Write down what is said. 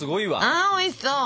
あおいしそう！